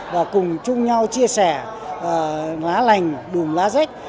và cùng chung nhau chia sẻ lá lành đùm lá rách